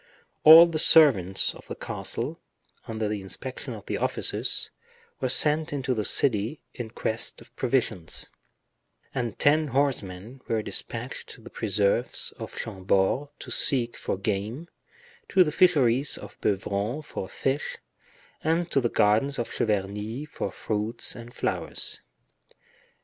All the servants of the castle, under the inspection of the officers, were sent into the city in quest of provisions, and ten horsemen were dispatched to the preserves of Chambord to seek for game, to the fisheries of Beuvron for fish, and to the gardens of Cheverny for fruits and flowers.